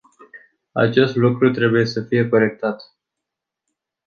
Acest lucru trebuie să fie corectat.